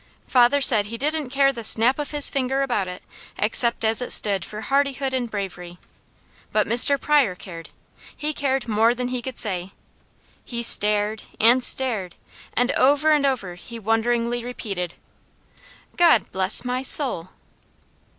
Father said he didn't care the snap of his finger about it, except as it stood for hardihood and bravery. But Mr. Pryor cared! He cared more than he could say. He stared, and stared, and over and over he wonderingly repeated: "God bless my soul!"